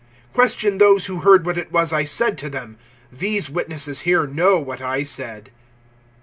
Question those who heard what it was I said to them: these witnesses here know what I said."